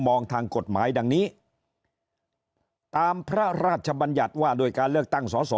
ทางกฎหมายดังนี้ตามพระราชบัญญัติว่าโดยการเลือกตั้งสอสอ